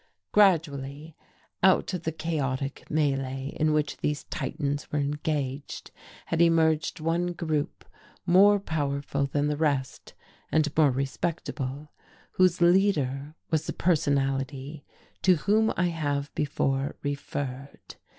Gradually, out of the chaotic melee in which these titans were engaged had emerged one group more powerful than the rest and more respectable, whose leader was the Personality to whom I have before referred.